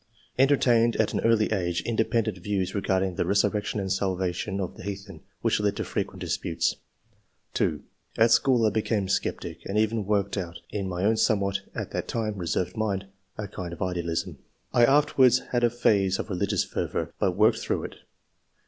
" Entertained at an early age independent views regarding the resurrection and salvation of the heathen, which led to frequent disputes." 2. *' At school I became a sceptic, and even worked out in my own somewhat (at that time) reserved mind, a kind of idealism. I afterwards had a phase of religious fervour, but worked through it."